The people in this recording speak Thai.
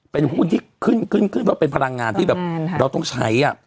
เป็นหุ้นที่ขึ้นขึ้นว่าเป็นพลังงานที่แบบเราต้องใช้